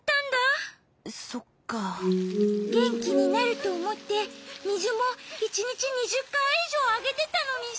げんきになるとおもってみずもいちにち２０かいいじょうあげてたのにさ。